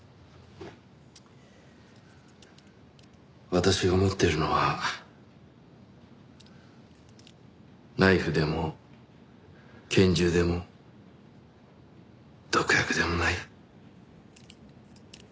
私が持っているのはナイフでも拳銃でも毒薬でもない。